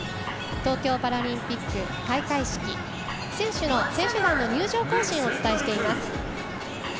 東京パラリンピック開会式選手団の入場行進をお伝えしています。